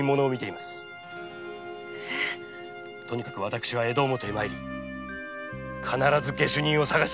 とにかく私は江戸表へ参り必ず下手人を捜し出します